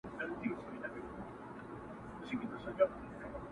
د کور له غله به امان غواړې له باداره څخه!!